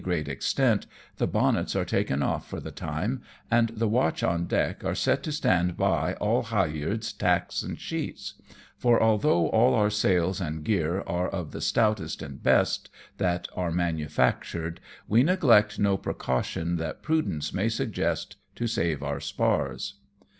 257 great extent, the bonnets are taken off for the time, and the watch on deck are set to stand by all halyards, tacks and sheets ; for, although all our sails and gear are of the stoutest and best that are manufactured, we neglect no precaution that prudence may suggest to save our spars.